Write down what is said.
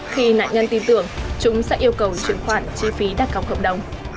khi nạn nhân tin tưởng chúng sẽ yêu cầu truyền khoản chi phí đặt góc hợp đồng